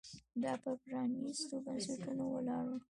دا پر پرانېستو بنسټونو ولاړ و